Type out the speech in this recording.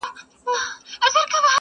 دا زموږ جونګړه بورجل مه ورانوی،